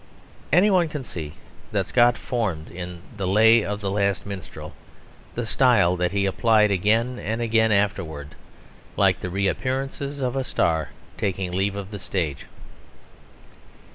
Any one can see that Scott formed in The Lay of the Last Minstrel the style that he applied again and again afterwards, like the reappearances of a star taking leave of the stage.